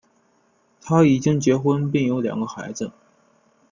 他已经结婚并有两个孩子。